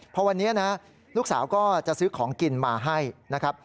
พอวันนี้นะลูกสาวก็จะซื้อของกินมาให้นะครับ